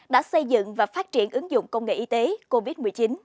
đã xây dựng và phát triển ứng dụng công nghệ y tế covid một mươi chín